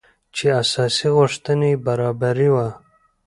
چې اساسي غوښتنې يې برابري وه .